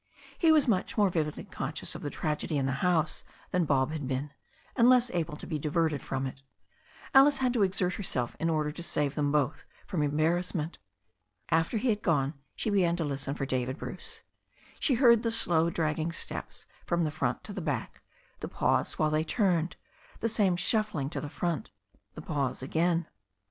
He was much more vividly conscious of the tragedy in the house than Bob had been, and less able to be diverted from it. Alice had to exert herself in order to save them both from embarrassment. After he had gone she began to listen for David Bruce. She heard the slow dragging steps from the front to the back, the pause while they turned, the same shuffling to the front, the pause again.